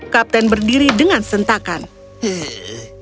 kapten berdiri dan sedangoys